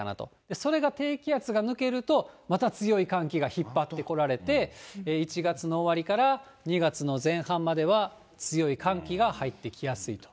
それが低気圧が抜けると、また強い寒気が引っ張ってこられて、１月の終わりから２月の前半までは、強い寒気が入ってきやすいと。